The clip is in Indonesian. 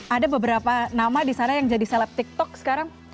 ada beberapa nama di sana yang jadi seleb tiktok sekarang